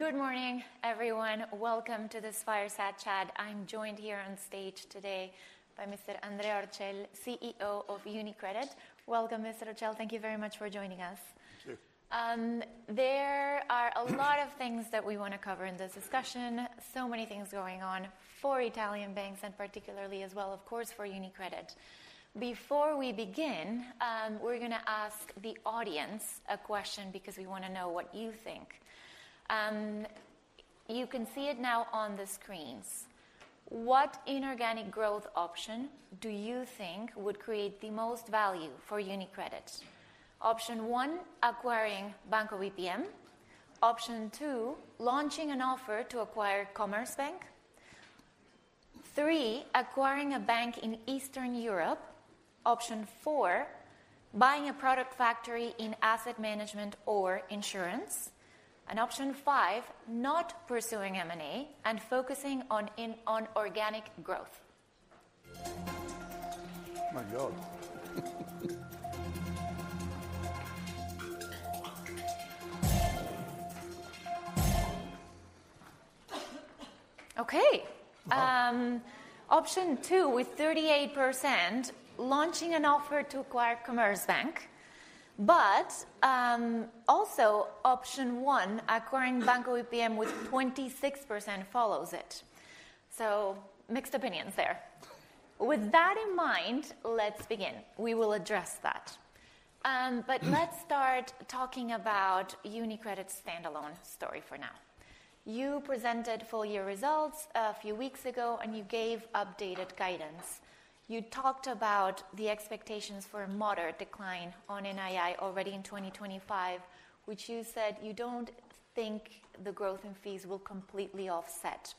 Good morning, everyone. Welcome to this Fireside Chat. I'm joined here on stage today by Mr. Andrea Orcel, CEO of UniCredit. Welcome, Mr. Orcel. Thank you very much for joining us. Thank you. There are a lot of things that we want to cover in this discussion. So many things going on for Italian banks, and particularly as well, of course, for UniCredit. Before we begin, we're going to ask the audience a question because we want to know what you think. You can see it now on the screens. What inorganic growth option do you think would create the most value for UniCredit? Option one: acquiring Banco BPM. Option two: launching an offer to acquire Commerzbank. Three: acquiring a bank in Eastern Europe. Option four: buying a product factory in asset management or insurance. And option five: not pursuing M&A and focusing on organic growth. My God. Okay. Option two, with 38%, launching an offer to acquire Commerzbank. Also, option one, acquiring Banco BPM with 26% follows it. Mixed opinions there. With that in mind, let's begin. We will address that. Let's start talking about UniCredit's standalone story for now. You presented full-year results a few weeks ago, and you gave updated guidance. You talked about the expectations for a moderate decline on NII already in 2025, which you said you don't think the growth in fees will completely offset.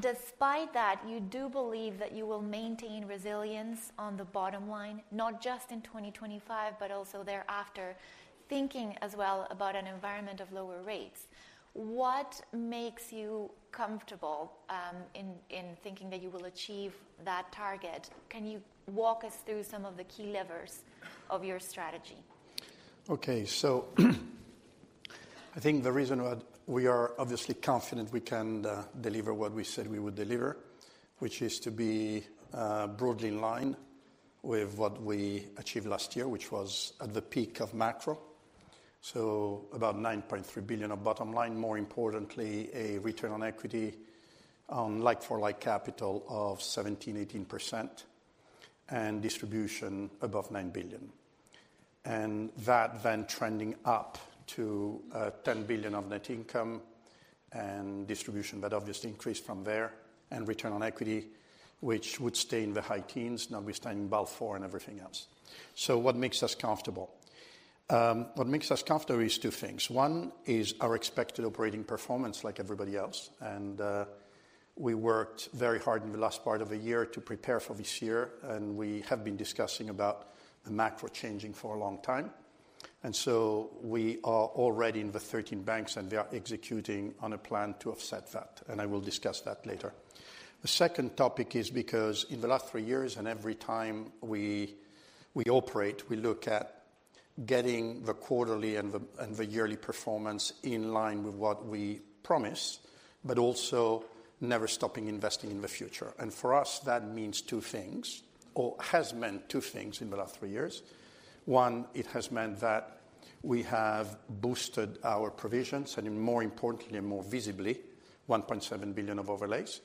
Despite that, you do believe that you will maintain resilience on the bottom line, not just in 2025, but also thereafter, thinking as well about an environment of lower rates. What makes you comfortable in thinking that you will achieve that target? Can you walk us through some of the key levers of your strategy? Okay. I think the reason what we are obviously confident we can deliver what we said we would deliver, which is to be broadly in line with what we achieved last year, which was at the peak of macro. About 9.3 billion of bottom line. More importantly, a return on equity on like-for-like capital of 17%-18%, and distribution above 9 billion. That then trending up to 10 billion of net income and distribution that obviously increased from there, and return on equity, which would stay in the high teens, notwithstanding in Basel IV and everything else. What makes us comfortable? What makes us comfortable is two things. One is our expected operating performance, like everybody else. We worked very hard in the last part of a year to prepare for this year. We have been discussing about the macro changing for a long time. We are already in the 13 banks, and we are executing on a plan to offset that. I will discuss that later. The second topic is because in the last three years, and every time we operate, we look at getting the quarterly and the yearly performance in line with what we promised, but also never stopping investing in the future. For us, that means two things, or has meant two things in the last three years. One, it has meant that we have boosted our provisions, and more importantly, and more visibly, 1.7 billion of overlays.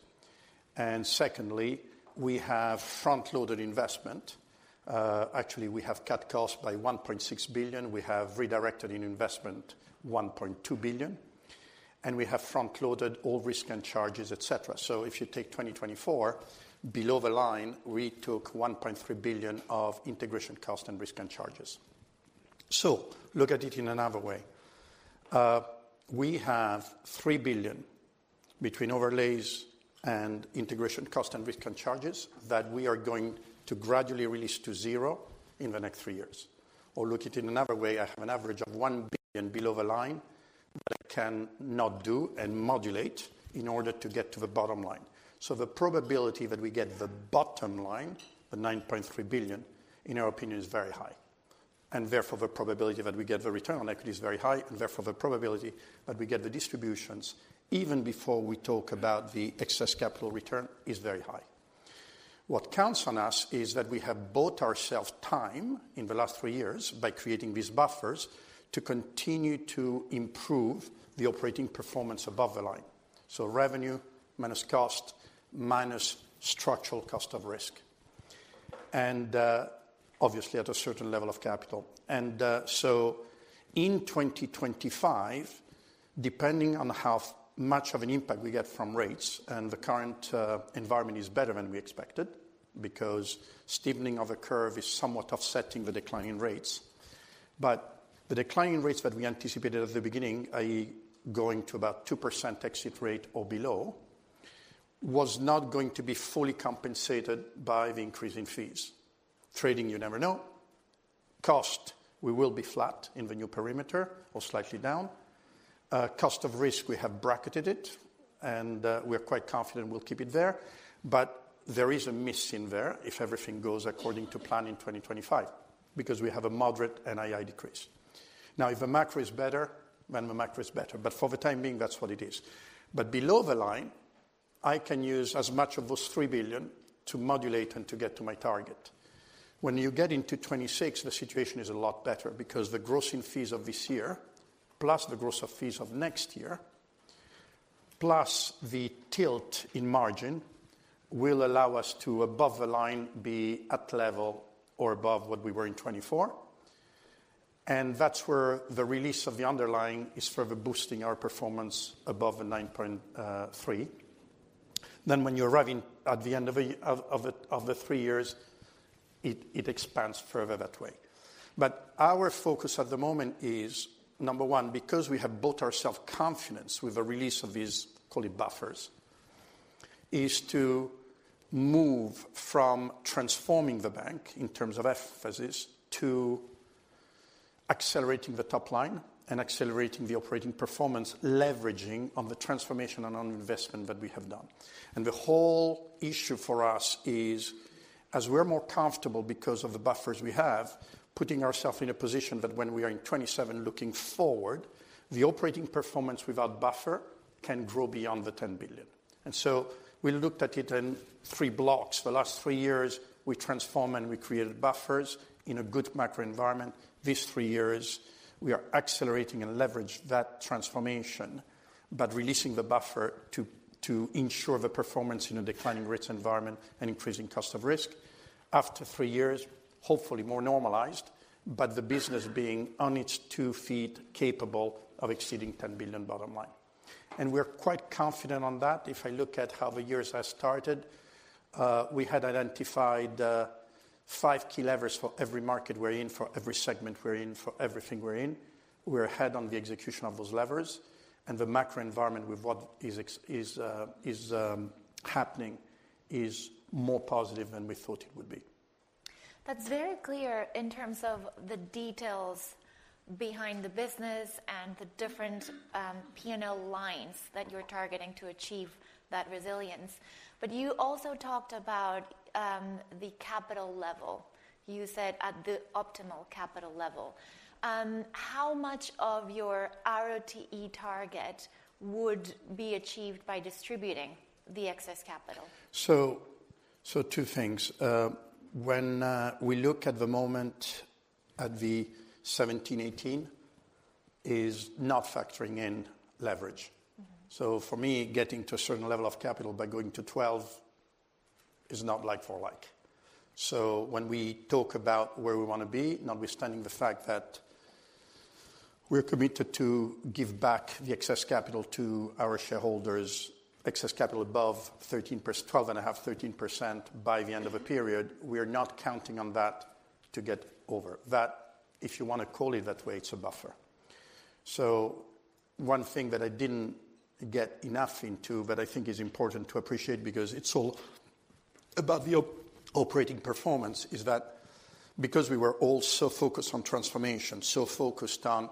Secondly, we have front-loaded investment. Actually, we have cut costs by 1.6 billion. We have redirected in investment 1.2 billion. We have front-loaded all risk and charges, et cetera. If you take 2024, below the line, we took 1.3 billion of integration cost and risk and charges. Look at it in another way. We have 3 billion between overlays and integration cost and risk and charges that we are going to gradually release to zero in the next three years. Look at it in another way. I have an average of 1 billion below the line that I cannot do and modulate in order to get to the bottom line. The probability that we get the bottom line, the 9.3 billion, in our opinion, is very high. Therefore, the probability that we get the return on equity is very high. Therefore, the probability that we get the distributions, even before we talk about the excess capital return, is very high. What counts on us is that we have bought ourselves time in the last three years by creating these buffers to continue to improve the operating performance above the line. Revenue minus cost minus structural cost of risk, and obviously at a certain level of capital. In 2025, depending on how much of an impact we get from rates, the current environment is better than we expected because steepening of the curve is somewhat offsetting the decline in rates. The decline in rates that we anticipated at the beginning, i.e., going to about 2% exit rate or below, was not going to be fully compensated by the increase in fees. Trading, you never know. Cost, we will be flat in the new perimeter or slightly down. Cost of risk, we have bracketed it, and we are quite confident we'll keep it there. There is a miss in there if everything goes according to plan in 2025 because we have a moderate NII decrease. Now, if the macro is better, then the macro is better. For the time being, that's what it is. Below the line, I can use as much of those 3 billion to modulate and to get to my target. When you get into 2026, the situation is a lot better because the grossing fees of this year, plus the gross of fees of next year, plus the tilt in margin will allow us to, above the line, be at level or above what we were in 2024. That is where the release of the underlying is further boosting our performance above the 9.3. When you're arriving at the end of the three years, it expands further that way. Our focus at the moment is, number one, because we have built ourselves confidence with the release of these COVID buffers, to move from transforming the bank in terms of emphasis to accelerating the top line and accelerating the operating performance, leveraging on the transformation and on investment that we have done. The whole issue for us is, as we're more comfortable because of the buffers we have, putting ourselves in a position that when we are in 2027, looking forward, the operating performance without buffer can grow beyond 10 billion. We looked at it in three blocks. The last three years, we transform and we created buffers in a good macro environment. These three years, we are accelerating and leveraging that transformation, but releasing the buffer to ensure the performance in a declining risk environment and increasing cost of risk. After three years, hopefully more normalized, but the business being on its two feet, capable of exceeding 10 billion bottom line. We are quite confident on that. If I look at how the years have started, we had identified five key levers for every market we are in, for every segment we are in, for everything we are in. We are ahead on the execution of those levers. The macro environment with what is happening is more positive than we thought it would be. That's very clear in terms of the details behind the business and the different P&L lines that you're targeting to achieve that resilience. You also talked about the capital level. You said at the optimal capital level. How much of your ROTE target would be achieved by distributing the excess capital? Two things. When we look at the moment at the 17, 18, it is not factoring in leverage. For me, getting to a certain level of capital by going to 12 is not like-for-like. When we talk about where we want to be, notwithstanding the fact that we are committed to give back the excess capital to our shareholders, excess capital above 13%, 12.5%, 13% by the end of a period, we are not counting on that to get over. That, if you want to call it that way, is a buffer. One thing that I did not get enough into, but I think is important to appreciate because it is all about the operating performance, is that because we were all so focused on transformation, so focused on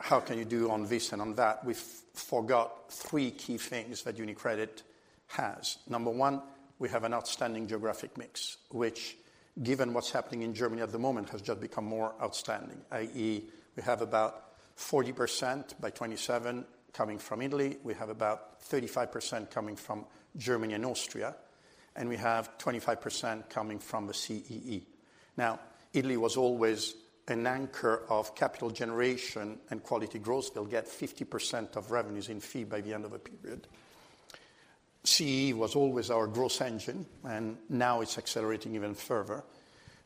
how can you do on this and on that, we forgot three key things that UniCredit has. Number one, we have an outstanding geographic mix, which, given what's happening in Germany at the moment, has just become more outstanding, i.e., we have about 40% by 2027 coming from Italy. We have about 35% coming from Germany and Austria. We have 25% coming from the CEE. Now, Italy was always an anchor of capital generation and quality growth. They'll get 50% of revenues in fee by the end of a period. CEE was always our growth engine, and now it's accelerating even further.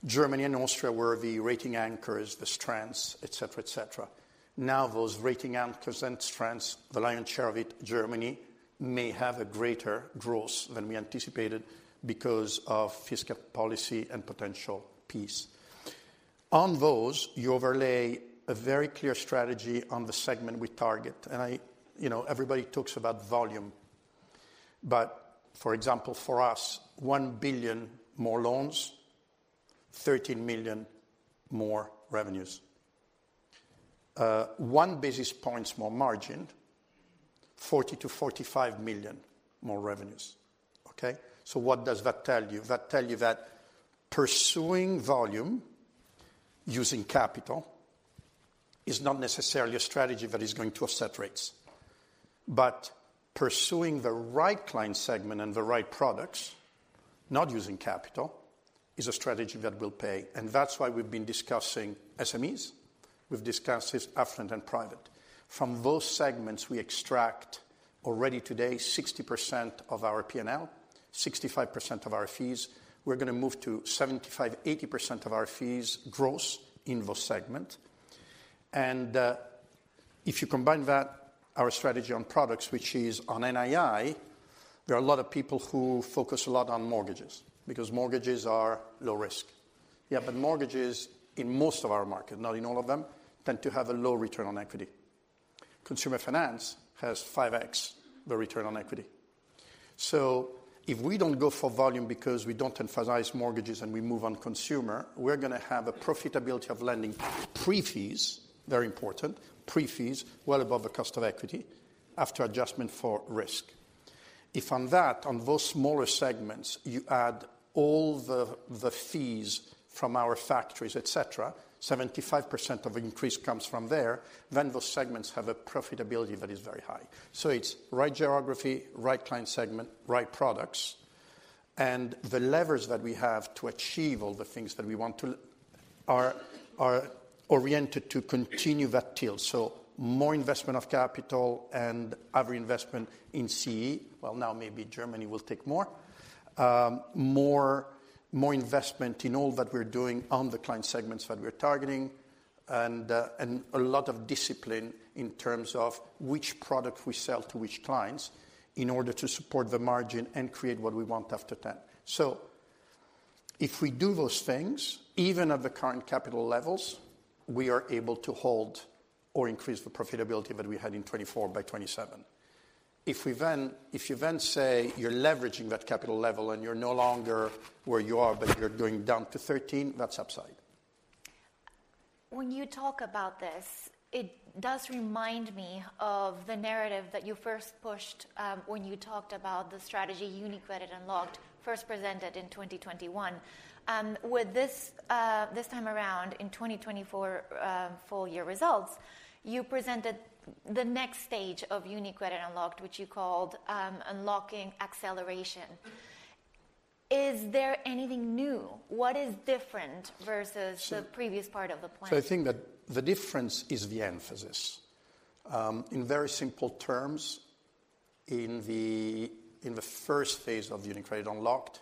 Germany and Austria were the rating anchors, the strengths, et cetera, et cetera. Now those rating anchors and strengths, the lion's share of it, Germany may have a greater growth than we anticipated because of fiscal policy and potential peace. On those, you overlay a very clear strategy on the segment we target. Everybody talks about volume. For example, for us, 1 billion more loans, 13 million more revenues. One basis points more margin, 40 million-45 million more revenues. Okay? What does that tell you? That tells you that pursuing volume using capital is not necessarily a strategy that is going to offset rates. Pursuing the right client segment and the right products, not using capital, is a strategy that will pay. That is why we've been discussing SMEs. We've discussed affluent and private. From those segments, we extract already today 60% of our P&L, 65% of our fees. We're going to move to 75%-80% of our fees gross in those segments. If you combine that, our strategy on products, which is on NII, there are a lot of people who focus a lot on mortgages because mortgages are low risk. Yeah, but mortgages in most of our market, not in all of them, tend to have a low return on equity. Consumer finance has 5X the return on equity. If we do not go for volume because we do not emphasize mortgages and we move on consumer, we are going to have a profitability of lending pre-fees, very important, pre-fees well above the cost of equity after adjustment for risk. If on that, on those smaller segments, you add all the fees from our factories, et cetera, 75% of increase comes from there, those segments have a profitability that is very high. It is right geography, right client segment, right products. The levers that we have to achieve all the things that we want to are oriented to continue that tilt. More investment of capital and other investment in CEE. Now maybe Germany will take more. More investment in all that we're doing on the client segments that we're targeting, and a lot of discipline in terms of which product we sell to which clients in order to support the margin and create what we want after 10. If we do those things, even at the current capital levels, we are able to hold or increase the profitability that we had in 2024 by 2027. If you then say you're leveraging that capital level and you're no longer where you are, but you're going down to 13, that's upside. When you talk about this, it does remind me of the narrative that you first pushed when you talked about the strategy UniCredit Unlocked first presented in 2021. With this time around in 2024 full year results, you presented the next stage of UniCredit Unlocked, which you called unlocking acceleration. Is there anything new? What is different versus the previous part of the plan? I think that the difference is the emphasis. In very simple terms, in the first phase of UniCredit Unlocked,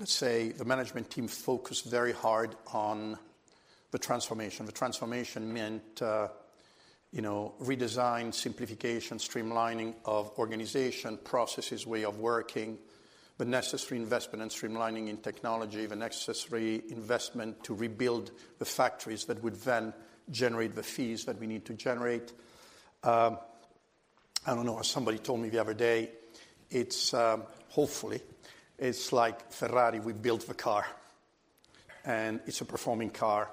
let's say the management team focused very hard on the transformation. The transformation meant redesign, simplification, streamlining of organization, processes, way of working, the necessary investment and streamlining in technology, the necessary investment to rebuild the factories that would then generate the fees that we need to generate. I don't know, as somebody told me the other day, hopefully, it's like Ferrari, we built the car. And it's a performing car.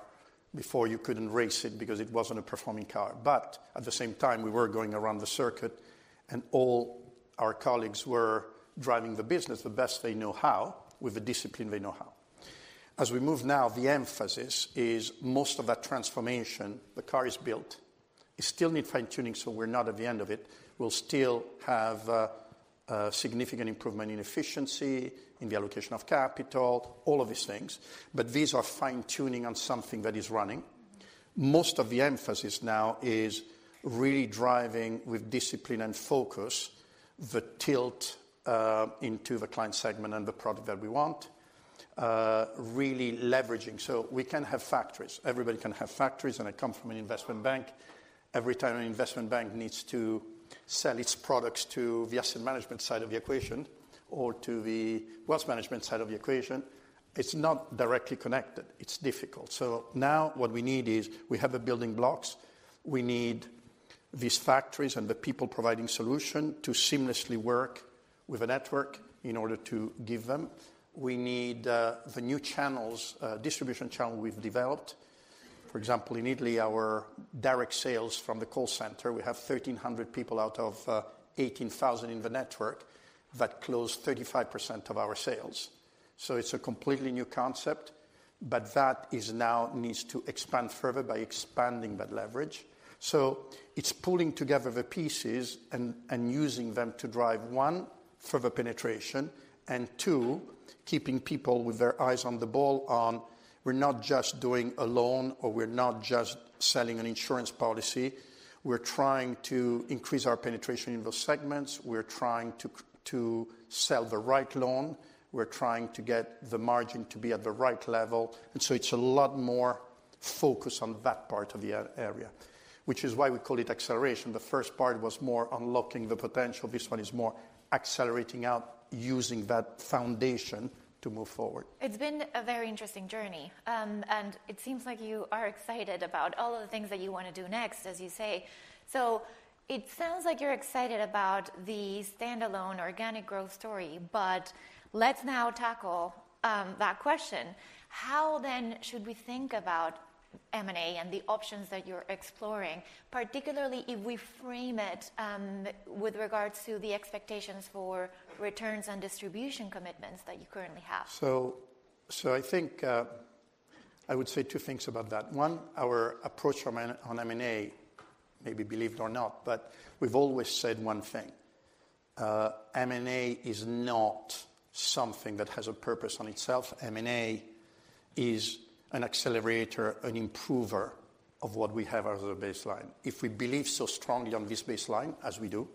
Before, you couldn't race it because it wasn't a performing car. At the same time, we were going around the circuit, and all our colleagues were driving the business the best they know how, with the discipline they know how. As we move now, the emphasis is most of that transformation, the car is built, it still needs fine-tuning, so we're not at the end of it. We'll still have significant improvement in efficiency, in the allocation of capital, all of these things. These are fine-tuning on something that is running. Most of the emphasis now is really driving with discipline and focus the tilt into the client segment and the product that we want, really leveraging. We can have factories. Everybody can have factories. I come from an investment bank. Every time an investment bank needs to sell its products to the asset management side of the equation or to the wealth management side of the equation, it's not directly connected. It's difficult. Now what we need is we have the building blocks. We need these factories and the people providing solution to seamlessly work with a network in order to give them. We need the new channels, distribution channel we've developed. For example, in Italy, our direct sales from the call center, we have 1,300 people out of 18,000 in the network that close 35% of our sales. It is a completely new concept, but that now needs to expand further by expanding that leverage. It is pulling together the pieces and using them to drive, one, further penetration, and two, keeping people with their eyes on the ball on we're not just doing a loan or we're not just selling an insurance policy. We're trying to increase our penetration in those segments. We're trying to sell the right loan. We're trying to get the margin to be at the right level. It is a lot more focus on that part of the area, which is why we call it acceleration. The first part was more unlocking the potential. This one is more accelerating out using that foundation to move forward. It's been a very interesting journey. It seems like you are excited about all of the things that you want to do next, as you say. It sounds like you're excited about the standalone organic growth story. Let's now tackle that question. How then should we think about M&A and the options that you're exploring, particularly if we frame it with regards to the expectations for returns and distribution commitments that you currently have? I think I would say two things about that. One, our approach on M&A, maybe believe it or not, but we've always said one thing. M&A is not something that has a purpose on itself. M&A is an accelerator, an improver of what we have as a baseline. If we believe so strongly on this baseline, as we do,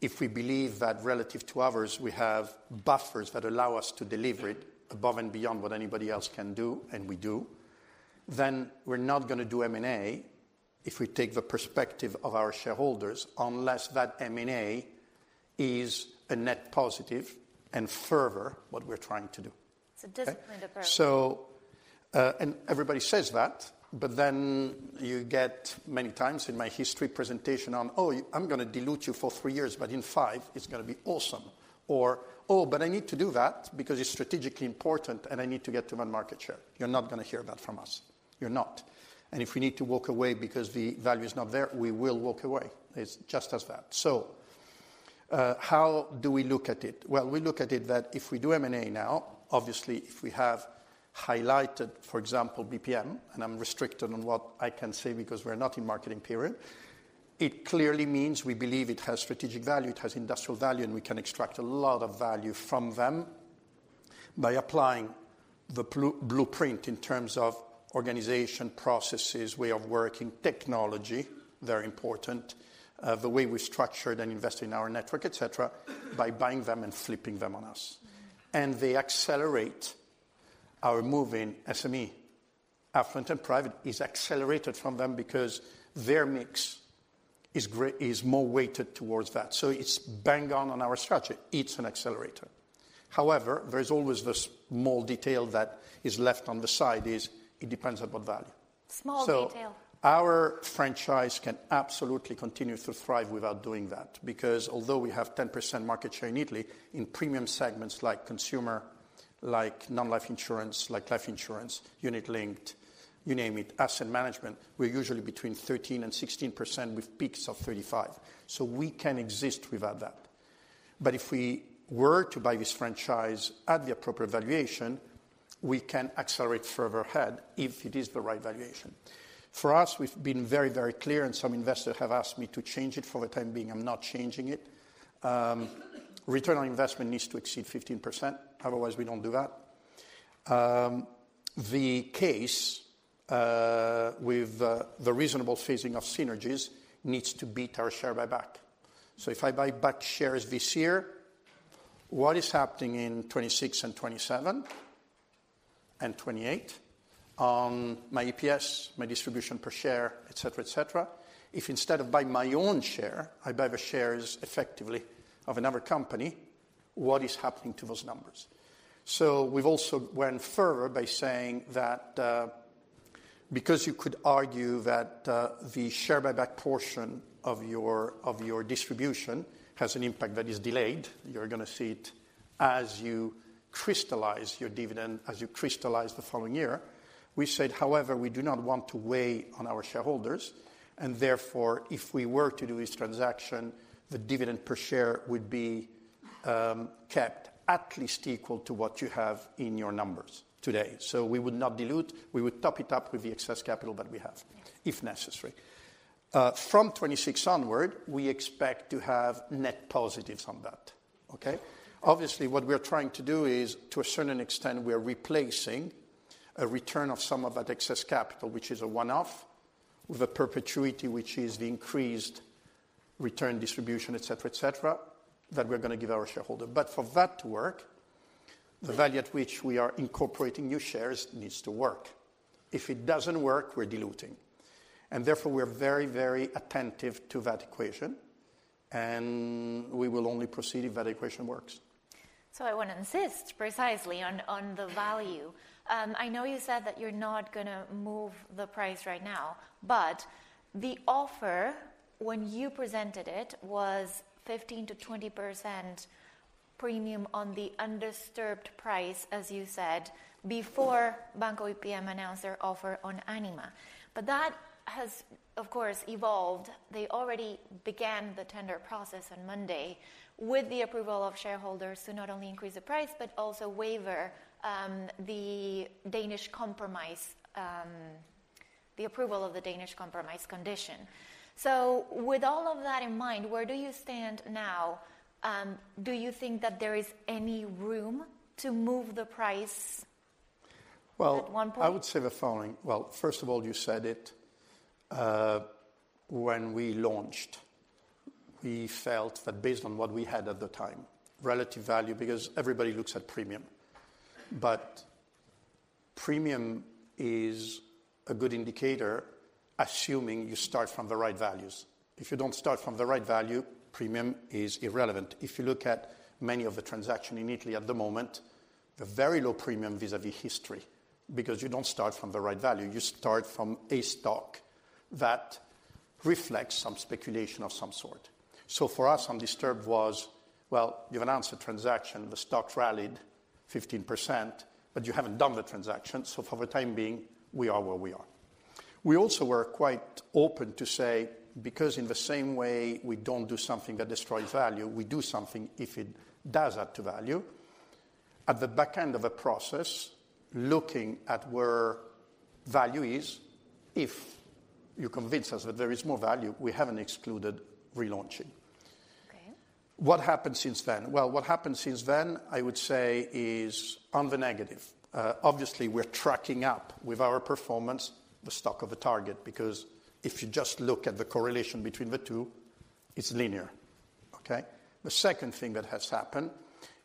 if we believe that relative to others, we have buffers that allow us to deliver it above and beyond what anybody else can do, and we do, then we're not going to do M&A if we take the perspective of our shareholders, unless that M&A is a net positive and further what we're trying to do. It's a disciplined approach. Everybody says that, but then you get many times in my history presentation on, "Oh, I'm going to dilute you for three years, but in five, it's going to be awesome." "Oh, but I need to do that because it's strategically important and I need to get to my market share." You're not going to hear that from us. You're not. If we need to walk away because the value is not there, we will walk away. It's just as that. How do we look at it? We look at it that if we do M&A now, obviously, if we have highlighted, for example, BPM, and I'm restricted on what I can say because we're not in marketing period, it clearly means we believe it has strategic value, it has industrial value, and we can extract a lot of value from them by applying the blueprint in terms of organization, processes, way of working, technology, very important, the way we've structured and invested in our network, et cetera, by buying them and flipping them on us. They accelerate our moving. SME, affluent and private is accelerated from them because their mix is more weighted towards that. It is bang on on our strategy. It is an accelerator. However, there is always this small detail that is left on the side is it depends on what value. Small detail. Our franchise can absolutely continue to thrive without doing that because although we have 10% market share in Italy, in premium segments like consumer, like non-life insurance, like life insurance, unit linked, you name it, asset management, we're usually between 13-16% with peaks of 35%. We can exist without that. If we were to buy this franchise at the appropriate valuation, we can accelerate further ahead if it is the right valuation. For us, we've been very, very clear, and some investors have asked me to change it. For the time being, I'm not changing it. Return on investment needs to exceed 15%. Otherwise, we don't do that. The case with the reasonable phasing of synergies needs to beat our share buyback. If I buy back shares this year, what is happening in 2026 and 2027 and 2028 on my EPS, my distribution per share, et cetera, et cetera? If instead of buying my own share, I buy the shares effectively of another company, what is happening to those numbers? We have also gone further by saying that because you could argue that the share buyback portion of your distribution has an impact that is delayed, you are going to see it as you crystallize your dividend, as you crystallize the following year. We said, however, we do not want to weigh on our shareholders. Therefore, if we were to do this transaction, the dividend per share would be kept at least equal to what you have in your numbers today. We would not dilute. We would top it up with the excess capital that we have, if necessary. From 2026 onward, we expect to have net positives on that. Okay? Obviously, what we're trying to do is, to a certain extent, we're replacing a return of some of that excess capital, which is a one-off, with a perpetuity, which is the increased return distribution, et cetera, et cetera, that we're going to give our shareholder. For that to work, the value at which we are incorporating new shares needs to work. If it doesn't work, we're diluting. Therefore, we're very, very attentive to that equation. We will only proceed if that equation works. I want to insist precisely on the value. I know you said that you're not going to move the price right now, but the offer, when you presented it, was 15%-20% premium on the undisturbed price, as you said, before Banco BPM announced their offer on Anima. That has, of course, evolved. They already began the tender process on Monday with the approval of shareholders to not only increase the price, but also waiver the Danish compromise, the approval of the Danish compromise condition. With all of that in mind, where do you stand now? Do you think that there is any room to move the price at one point? I would say the following. First of all, you said it. When we launched, we felt that based on what we had at the time, relative value, because everybody looks at premium. Premium is a good indicator, assuming you start from the right values. If you do not start from the right value, premium is irrelevant. If you look at many of the transactions in Italy at the moment, the very low premium vis-à-vis history, because you do not start from the right value, you start from a stock that reflects some speculation of some sort. For us, undisturbed was, you have announced a transaction, the stock rallied 15%, but you have not done the transaction. For the time being, we are where we are. We also were quite open to say, because in the same way we don't do something that destroys value, we do something if it does add to value. At the back end of the process, looking at where value is, if you convince us that there is more value, we haven't excluded relaunching. What happened since then? What happened since then, I would say, is on the negative. Obviously, we're tracking up with our performance the stock of the target, because if you just look at the correlation between the two, it's linear. The second thing that has happened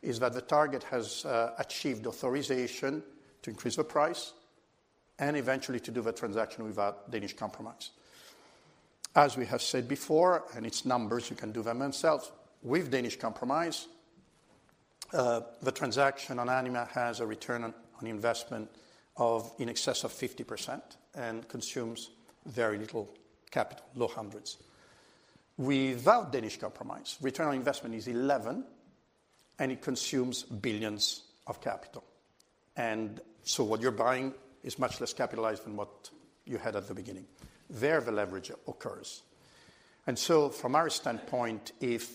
is that the target has achieved authorization to increase the price and eventually to do the transaction without Danish compromise. As we have said before, and it's numbers you can do them themselves, with Danish compromise, the transaction on Anima has a return on investment of in excess of 50% and consumes very little capital, low hundreds. Without Danish compromise, return on investment is 11%, and it consumes billions of capital. What you are buying is much less capitalized than what you had at the beginning. There the leverage occurs. From our standpoint, if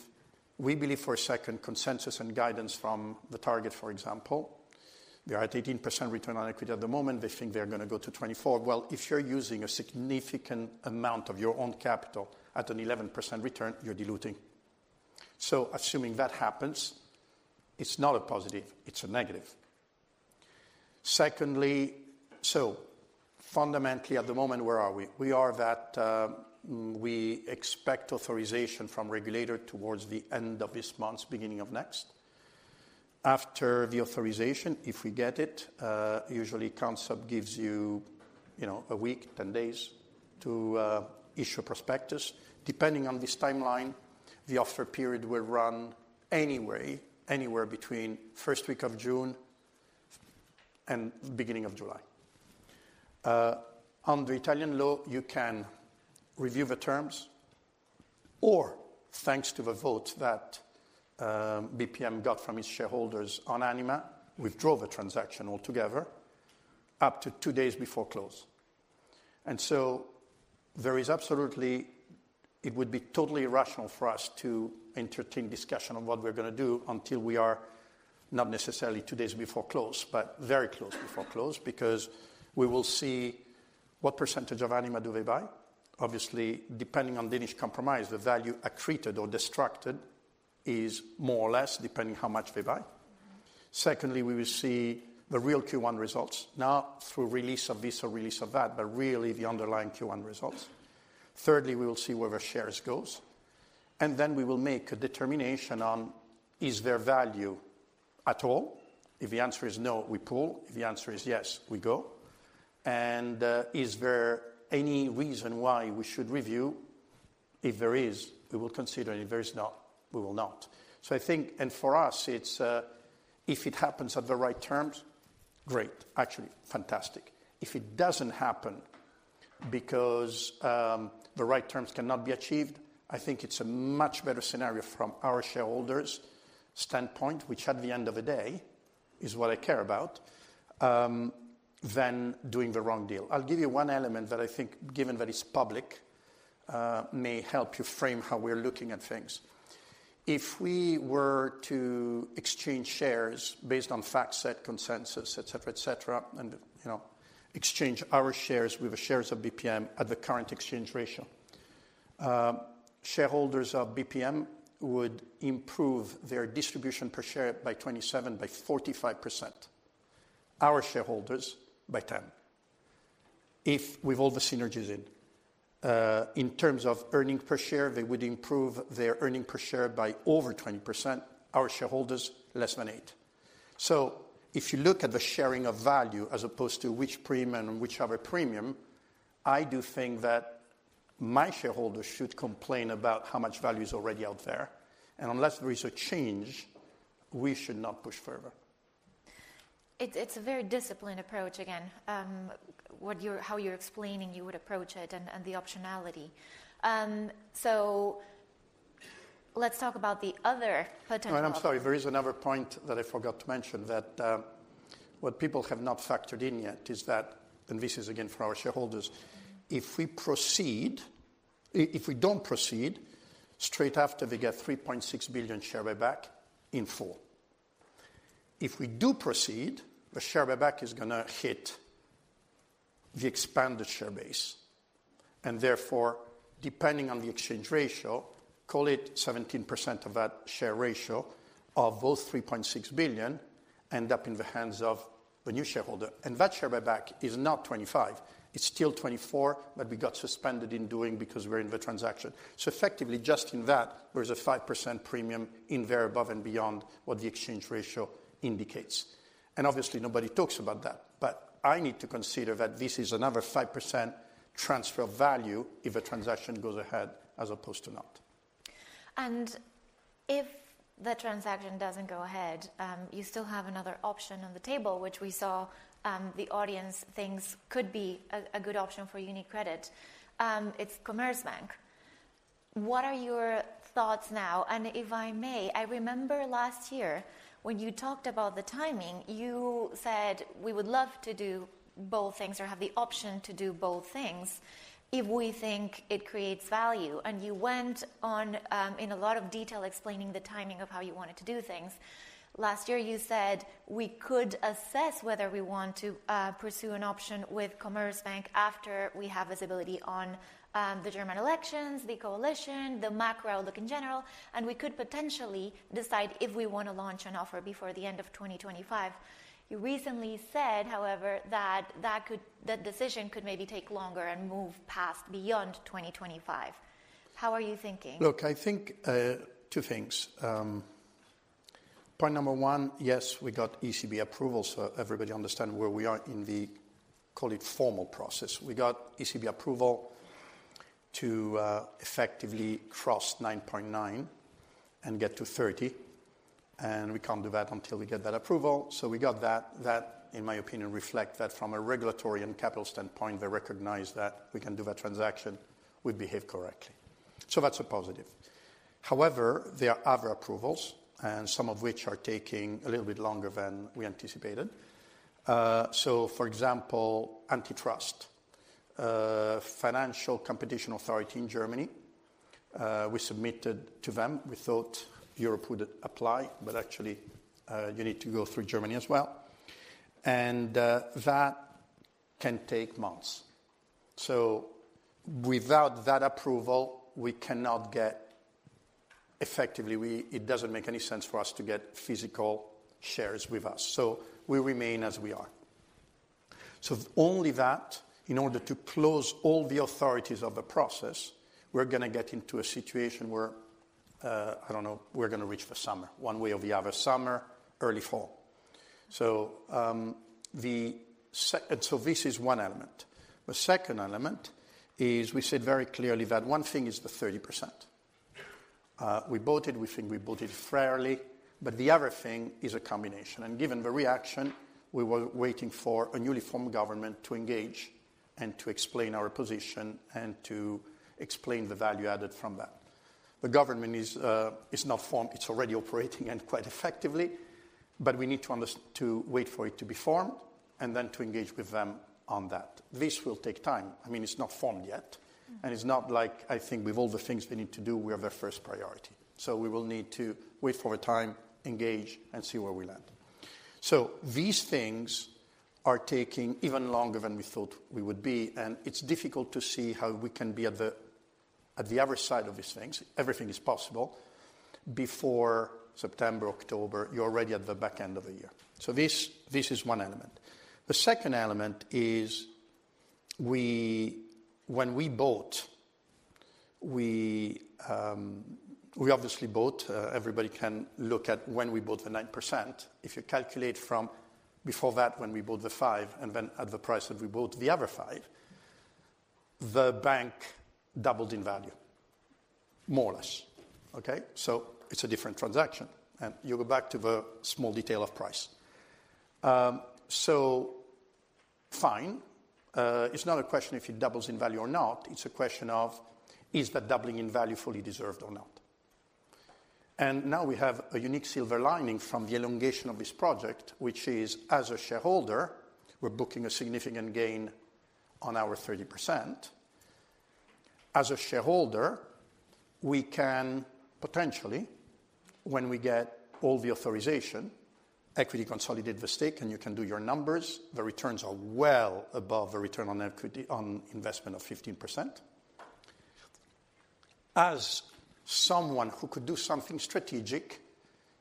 we believe for a second consensus and guidance from the target, for example, they are at 18% return on equity at the moment, they think they are going to go to 24%. If you are using a significant amount of your own capital at an 11% return, you are diluting. Assuming that happens, it is not a positive. It is a negative. Secondly, fundamentally, at the moment, where are we? We are that we expect authorization from regulator towards the end of this month, beginning of next. After the authorization, if we get it, usually Consob gives you a week, 10 days to issue prospectus. Depending on this timeline, the offer period will run anywhere between first week of June and beginning of July. Under Italian law, you can review the terms or, thanks to the vote that BPM got from its shareholders on Anima, withdraw the transaction altogether up to two days before close. There is absolutely it would be totally irrational for us to entertain discussion of what we're going to do until we are not necessarily two days before close, but very close before close, because we will see what percentage of Anima do they buy. Obviously, depending on Danish compromise, the value accreted or destructed is more or less depending how much they buy. Secondly, we will see the real Q1 results now through release of this or release of that, but really the underlying Q1 results. Thirdly, we will see where the shares go. We will make a determination on is there value at all. If the answer is no, we pull. If the answer is yes, we go. Is there any reason why we should review? If there is, we will consider. If there is not, we will not. I think, and for us, it's if it happens at the right terms, great. Actually, fantastic. If it doesn't happen because the right terms cannot be achieved, I think it's a much better scenario from our shareholders' standpoint, which at the end of the day is what I care about, than doing the wrong deal. I'll give you one element that I think, given that it's public, may help you frame how we're looking at things. If we were to exchange shares based on FactSet consensus, et cetera, et cetera, and exchange our shares with the shares of BPM at the current exchange ratio, shareholders of BPM would improve their distribution per share by 27%-45%. Our shareholders, by 10%. If we have all the synergies in. In terms of earnings per share, they would improve their earnings per share by over 20%. Our shareholders, less than 8%. If you look at the sharing of value as opposed to which premium and which other premium, I do think that my shareholders should complain about how much value is already out there. Unless there is a change, we should not push further. It's a very disciplined approach, again, how you're explaining you would approach it and the optionality. Let's talk about the other potential. I'm sorry, there is another point that I forgot to mention that what people have not factored in yet is that, and this is again for our shareholders, if we proceed, if we don't proceed, straight after we get 3.6 billion share buyback in full. If we do proceed, the share buyback is going to hit the expanded share base. Therefore, depending on the exchange ratio, call it 17% of that share ratio of those 3.6 billion end up in the hands of a new shareholder. That share buyback is not 25. It's still 24, but we got suspended in doing because we're in the transaction. Effectively, just in that, there is a 5% premium in there above and beyond what the exchange ratio indicates. Obviously, nobody talks about that. I need to consider that this is another 5% transfer of value if the transaction goes ahead as opposed to not. If the transaction doesn't go ahead, you still have another option on the table, which we saw the audience thinks could be a good option for UniCredit. It's Commerzbank. What are your thoughts now? If I may, I remember last year when you talked about the timing, you said, "We would love to do both things or have the option to do both things if we think it creates value." You went on in a lot of detail explaining the timing of how you wanted to do things. Last year, you said, "We could assess whether we want to pursue an option with Commerzbank after we have visibility on the German elections, the coalition, the macro outlook in general, and we could potentially decide if we want to launch an offer before the end of 2025." You recently said, however, that that decision could maybe take longer and move past beyond 2025. How are you thinking? Look, I think two things. Point number one, yes, we got ECB approval. Everybody understands where we are in the, call it, formal process. We got ECB approval to effectively cross 9.9 and get to 30. We can't do that until we get that approval. We got that. That, in my opinion, reflects that from a regulatory and capital standpoint, they recognize that we can do that transaction; we behave correctly. That's a positive. However, there are other approvals, some of which are taking a little bit longer than we anticipated. For example, Antitrust, Financial Competition Authority in Germany. We submitted to them. We thought Europe would apply, but actually, you need to go through Germany as well. That can take months. Without that approval, we cannot get effectively; it doesn't make any sense for us to get physical shares with us. We remain as we are. Only that, in order to close all the authorities of the process, we're going to get into a situation where, I don't know, we're going to reach the summer, one way or the other, summer, early fall. This is one element. The second element is we said very clearly that one thing is the 30%. We bought it. We think we bought it fairly. The other thing is a combination. Given the reaction, we were waiting for a newly formed government to engage and to explain our position and to explain the value added from that. The government is not formed. It's already operating and quite effectively. We need to wait for it to be formed and then to engage with them on that. This will take time. I mean, it's not formed yet. It is not like, I think with all the things we need to do, we are the first priority. We will need to wait for a time, engage, and see where we land. These things are taking even longer than we thought we would be. It is difficult to see how we can be at the other side of these things. Everything is possible. Before September, October, you are already at the back end of the year. This is one element. The second element is when we bought, we obviously bought. Everybody can look at when we bought the 9%. If you calculate from before that, when we bought the 5% and then at the price that we bought the other 5%, the bank doubled in value, more or less. Okay? It is a different transaction. You go back to the small detail of price. Fine. It's not a question if it doubles in value or not. It's a question of is that doubling in value fully deserved or not. Now we have a unique silver lining from the elongation of this project, which is, as a shareholder, we're booking a significant gain on our 30%. As a shareholder, we can potentially, when we get all the authorization, equity consolidate the stake, and you can do your numbers. The returns are well above the return on equity on investment of 15%. As someone who could do something strategic,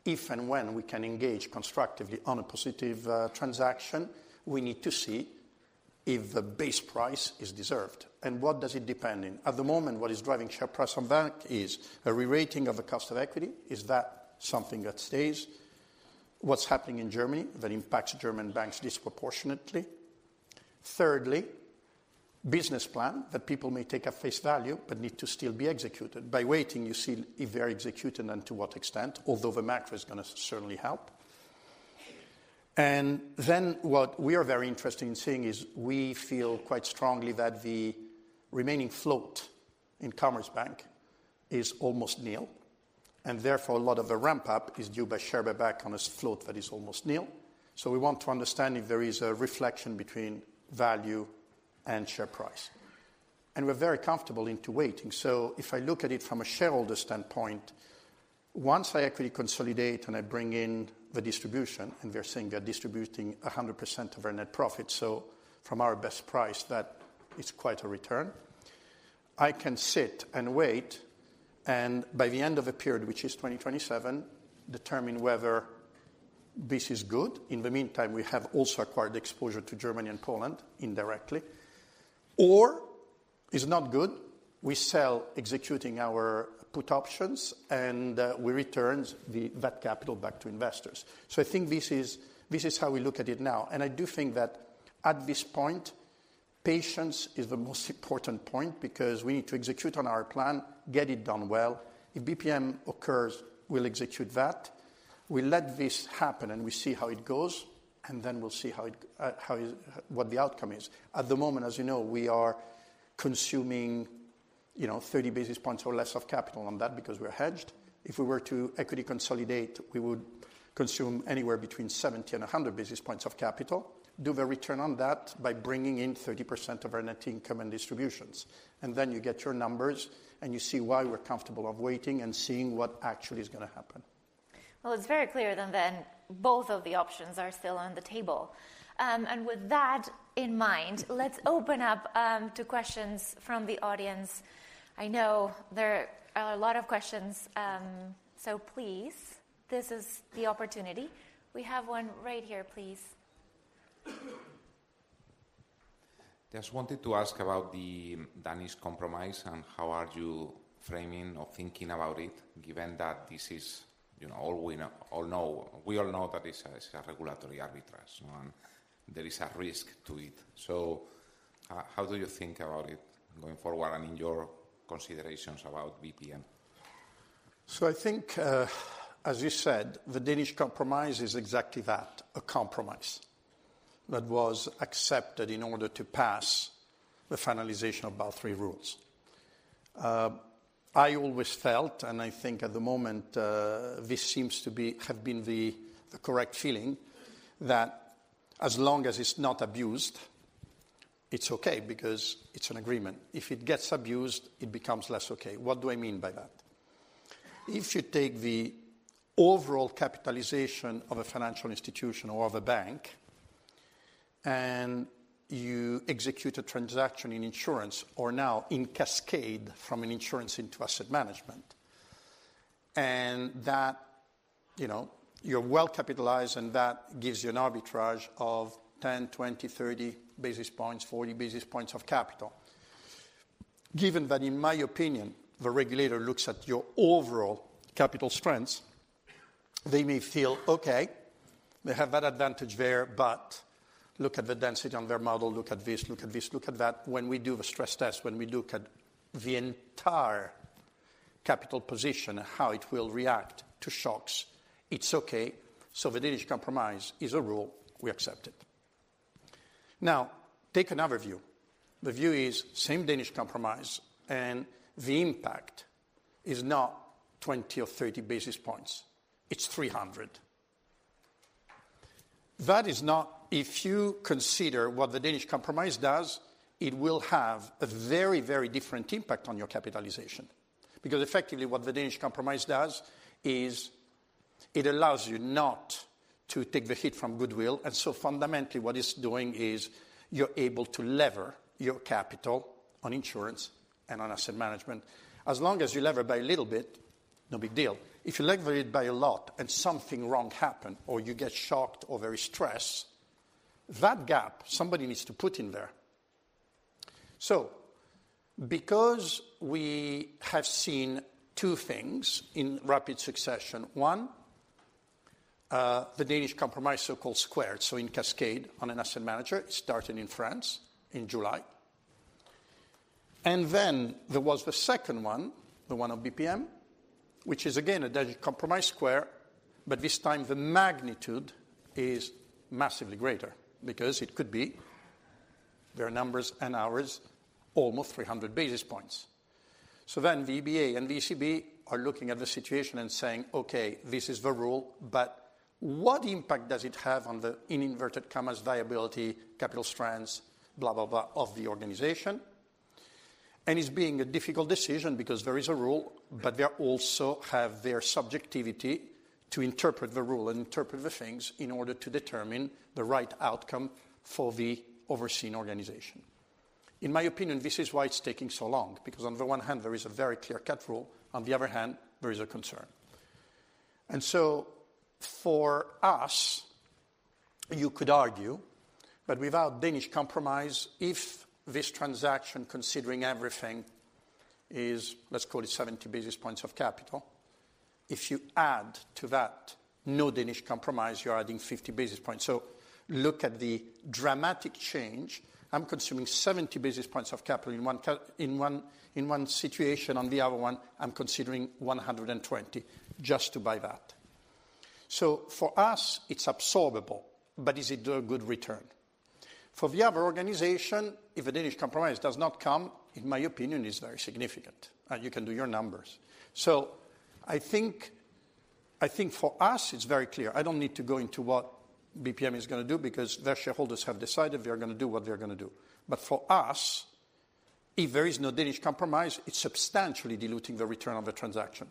if and when we can engage constructively on a positive transaction, we need to see if the base price is deserved. What does it depend on? At the moment, what is driving share price on that is a re-rating of the cost of equity. Is that something that stays? What's happening in Germany that impacts German banks disproportionately? Thirdly, business plan that people may take at face value but need to still be executed. By waiting, you see if they're executed and to what extent, although the macro is going to certainly help. What we are very interested in seeing is we feel quite strongly that the remaining float in Commerzbank is almost nil. Therefore, a lot of the ramp-up is due by share buyback on a float that is almost nil. We want to understand if there is a reflection between value and share price. We're very comfortable into waiting. If I look at it from a shareholder standpoint, once I actually consolidate and I bring in the distribution, and we're saying we are distributing 100% of our net profit, from our best price, that is quite a return. I can sit and wait and, by the end of the period, which is 2027, determine whether this is good. In the meantime, we have also acquired exposure to Germany and Poland indirectly. Or it's not good. We sell executing our put options, and we return that capital back to investors. I think this is how we look at it now. I do think that at this point, patience is the most important point because we need to execute on our plan, get it done well. If BPM occurs, we'll execute that. We let this happen, and we see how it goes, and then we'll see what the outcome is. At the moment, as you know, we are consuming 30 basis points or less of capital on that because we're hedged. If we were to equity consolidate, we would consume anywhere between 70 and 100 basis points of capital. Do the return on that by bringing in 30% of our net income and distributions. And then you get your numbers, and you see why we're comfortable of waiting and seeing what actually is going to happen. It is very clear then that both of the options are still on the table. With that in mind, let's open up to questions from the audience. I know there are a lot of questions, so please, this is the opportunity. We have one right here, please. Just wanted to ask about the Danish compromise and how are you framing or thinking about it, given that this is all we all know. We all know that it's a regulatory arbitrage, and there is a risk to it. How do you think about it going forward and in your considerations about BPM? I think, as you said, the Danish compromise is exactly that, a compromise that was accepted in order to pass the finalization of Basel III rules. I always felt, and I think at the moment this seems to have been the correct feeling, that as long as it's not abused, it's okay because it's an agreement. If it gets abused, it becomes less okay. What do I mean by that? If you take the overall capitalization of a financial institution or of a bank and you execute a transaction in insurance or now in cascade from an insurance into asset management, and that you're well capitalized and that gives you an arbitrage of 10, 20, 30 basis points, 40 basis points of capital. Given that, in my opinion, the regulator looks at your overall capital strengths, they may feel, "Okay, they have that advantage there, but look at the density on their model, look at this, look at this, look at that." When we do the stress test, when we look at the entire capital position and how it will react to shocks, it's okay. The Danish compromise is a rule we accepted. Now, take another view. The view is same Danish compromise, and the impact is not 20 or 30 basis points. It's 300. That is not, if you consider what the Danish compromise does, it will have a very, very different impact on your capitalization. Because effectively, what the Danish compromise does is it allows you not to take the hit from goodwill. Fundamentally, what it is doing is you're able to lever your capital on insurance and on asset management. As long as you lever by a little bit, no big deal. If you lever it by a lot and something wrong happened or you get shocked or very stressed, that gap somebody needs to put in there. We have seen two things in rapid succession. One, the Danish compromise, so-called squared, so in cascade on an asset manager, started in France in July. There was the second one, the one of BPM, which is again a Danish compromise square, but this time the magnitude is massively greater because it could be, their numbers and ours, almost 300 basis points. The EBA and the ECB are looking at the situation and saying, "Okay, this is the rule, but what impact does it have on the, in inverted commas, viability, capital strengths, blah, blah, blah of the organization?" It is being a difficult decision because there is a rule, but they also have their subjectivity to interpret the rule and interpret the things in order to determine the right outcome for the overseen organization. In my opinion, this is why it is taking so long, because on the one hand, there is a very clear-cut rule. On the other hand, there is a concern. For us, you could argue, but without Danish compromise, if this transaction, considering everything, is, let's call it 70 basis points of capital, if you add to that no Danish compromise, you are adding 50 basis points. Look at the dramatic change. I'm consuming 70 basis points of capital in one situation. On the other one, I'm considering 120 just to buy that. For us, it's absorbable, but is it a good return? For the other organization, if a Danish compromise does not come, in my opinion, it's very significant. You can do your numbers. I think for us, it's very clear. I don't need to go into what BPM is going to do because their shareholders have decided they're going to do what they're going to do. For us, if there is no Danish compromise, it's substantially diluting the return of the transaction.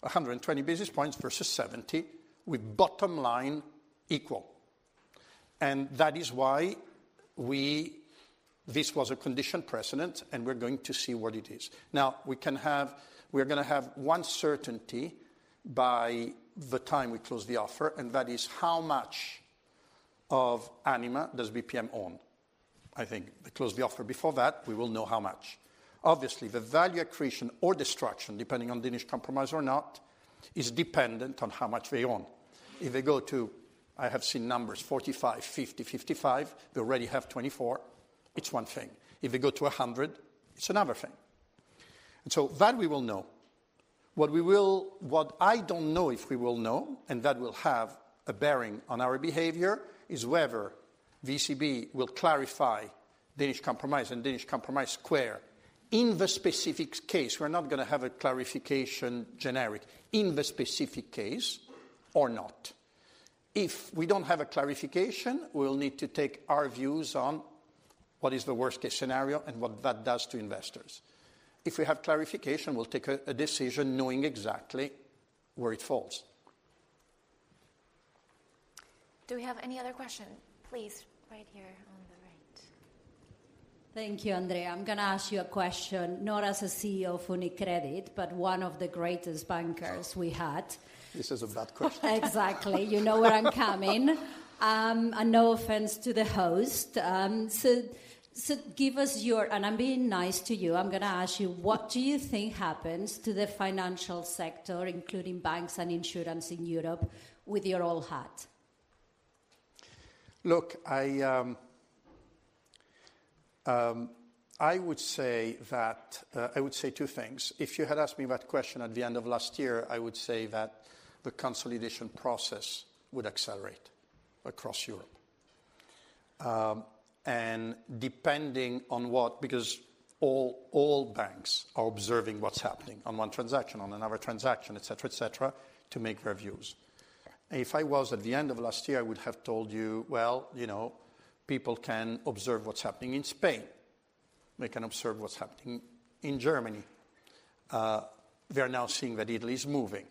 120 basis points versus 70, with bottom line equal. That is why this was a condition precedent, and we're going to see what it is. Now, we're going to have one certainty by the time we close the offer, and that is how much of Anima does BPM own. I think they close the offer. Before that, we will know how much. Obviously, the value accretion or destruction, depending on Danish compromise or not, is dependent on how much they own. If they go to, I have seen numbers, 45, 50, 55, they already have 24. It's one thing. If they go to 100, it's another thing. That we will know. What I don't know if we will know, and that will have a bearing on our behavior, is whether the ECB will clarify Danish compromise and Danish compromise square in the specific case. We're not going to have a clarification generic in the specific case or not. If we don't have a clarification, we'll need to take our views on what is the worst-case scenario and what that does to investors. If we have clarification, we'll take a decision knowing exactly where it falls. Do we have any other questions? Please, right here on the right. Thank you, Andrea. I'm going to ask you a question, not as a CEO of UniCredit, but one of the greatest bankers we had. This is a bad question. Exactly. You know where I'm coming. No offense to the host. Give us your, and I'm being nice to you, I'm going to ask you, what do you think happens to the financial sector, including banks and insurance in Europe, with your old hat? Look, I would say that I would say two things. If you had asked me that question at the end of last year, I would say that the consolidation process would accelerate across Europe. Depending on what, because all banks are observing what's happening on one transaction, on another transaction, etc., etc., to make their views. If I was at the end of last year, I would have told you, you know, people can observe what's happening in Spain. They can observe what's happening in Germany. They're now seeing that Italy is moving.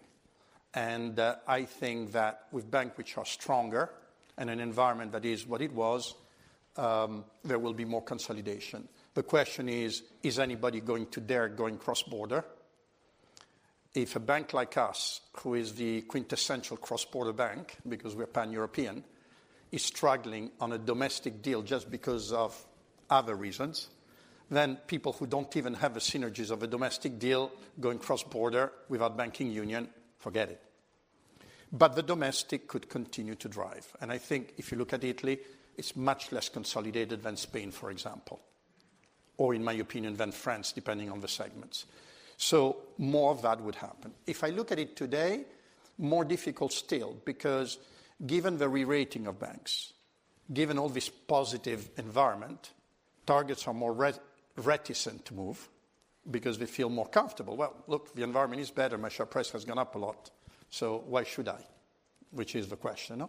I think that with banks which are stronger and an environment that is what it was, there will be more consolidation. The question is, is anybody going to dare going cross-border? If a bank like us, who is the quintessential cross-border bank, because we're pan-European, is struggling on a domestic deal just because of other reasons, people who don't even have the synergies of a domestic deal going cross-border without banking union, forget it. The domestic could continue to drive. I think if you look at Italy, it's much less consolidated than Spain, for example, or in my opinion, than France, depending on the segments. More of that would happen. If I look at it today, more difficult still, because given the re-rating of banks, given all this positive environment, targets are more reticent to move because they feel more comfortable. Look, the environment is better. My share price has gone up a lot, so why should I? Which is the question.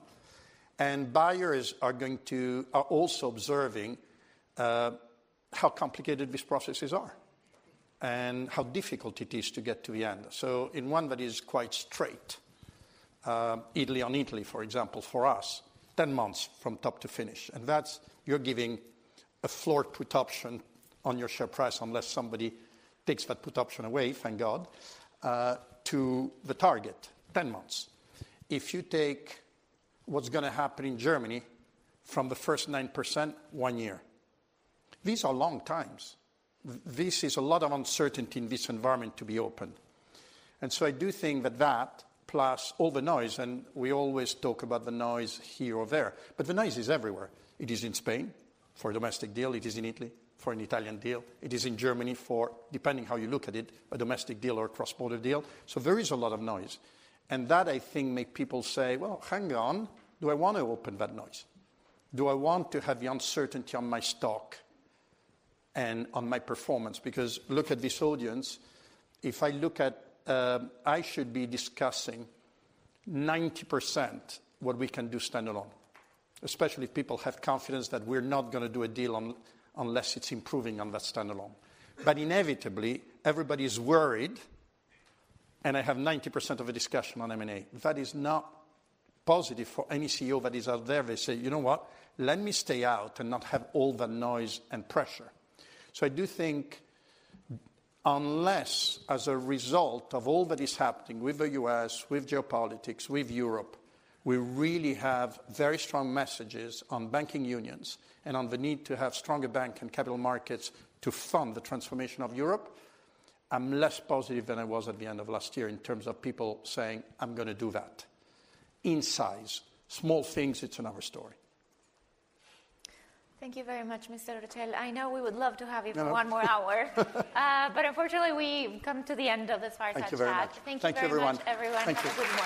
Buyers are also observing how complicated these processes are and how difficult it is to get to the end. In one that is quite straight, Italy on Italy, for example, for us, 10 months from top to finish. That is, you are giving a floor put option on your share price, unless somebody takes that put option away, thank God, to the target, 10 months. If you take what is going to happen in Germany from the first 9%, one year. These are long times. This is a lot of uncertainty in this environment to be open. I do think that that, + all the noise, and we always talk about the noise here or there, but the noise is everywhere. It is in Spain for a domestic deal. It is in Italy for an Italian deal. It is in Germany for, depending how you look at it, a domestic deal or a cross-border deal. There is a lot of noise. That, I think, makes people say, "Well, hang on. Do I want to open that noise? Do I want to have the uncertainty on my stock and on my performance?" Look at this audience. If I look at, I should be discussing 90% what we can do standalone, especially if people have confidence that we're not going to do a deal unless it's improving on that standalone. Inevitably, everybody is worried, and I have 90% of a discussion on M&A. That is not positive for any CEO that is out there. They say, "You know what? Let me stay out and not have all the noise and pressure. I do think unless, as a result of all that is happening with the U.S., with geopolitics, with Europe, we really have very strong messages on banking unions and on the need to have stronger bank and capital markets to fund the transformation of Europe, I'm less positive than I was at the end of last year in terms of people saying, "I'm going to do that." In size, small things, it's another story. Thank you very much, Mr. Orcel. I know we would love to have you for one more hour, but unfortunately, we've come to the end of this Fireside Chat. Thank you very much. Thank you very much, everyone.